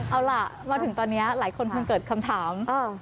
เอาล่ะมาถึงตอนนี้หลายคนเพิ่งเกิดคำถาม